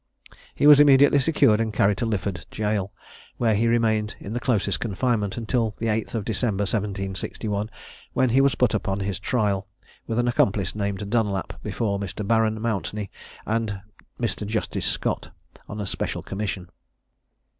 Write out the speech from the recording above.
He was immediately secured and carried to Lifford jail, where he remained in the closest confinement until the 8th December, 1761, when he was put upon his trial, with an accomplice named Dunlap before Mr. Baron Mountney and Mr. Justice Scott, on a special commission.